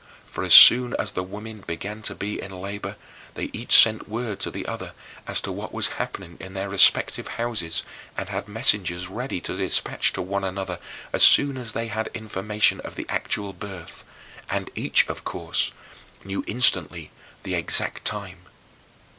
For as soon as the women began to be in labor, they each sent word to the other as to what was happening in their respective houses and had messengers ready to dispatch to one another as soon as they had information of the actual birth and each, of course, knew instantly the exact time.